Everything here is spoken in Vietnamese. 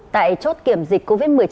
tại chốt kiểm dịch covid một mươi chín